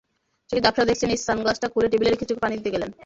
চোখে ঝাপসা দেখছেন, তাই সানগ্লাসটা খুলে টেবিলে রেখে চোখে পানি দিতে গেলেন।